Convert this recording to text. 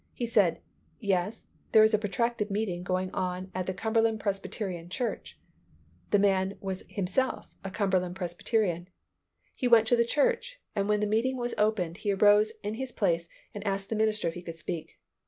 He said, "Yes, there is a protracted meeting going on at the Cumberland Presbyterian Church." The man was himself a Cumberland Presbyterian. He went to the church and when the meeting was opened he arose in his place and asked the minister if he could speak.